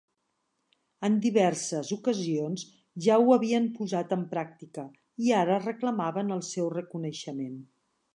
En diverses ocasions ja ho havien posat en pràctica i ara reclamaven el seu reconeixement.